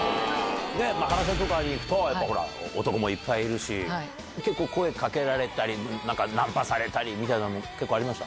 マハラジャとかに行くと、やっぱほら、男もいっぱいいるし、結構声かけられたり、なんか、ナンパされたりとかみたいなのも結構ありました？